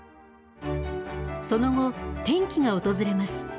その後転機が訪れます。